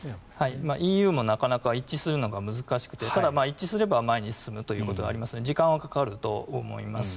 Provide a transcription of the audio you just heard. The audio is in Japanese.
ＥＵもなかなか一致するのが難しくてただ、一致すれば前に進むということはありますので時間はかかると思います。